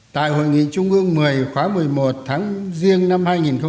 tại hội nghị trung ương một mươi khóa một mươi một tháng riêng năm hai nghìn một mươi tám